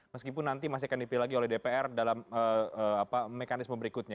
meskipun nanti masih akan dipilih lagi oleh dpr dalam mekanisme berikutnya